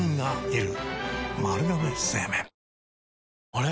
あれ？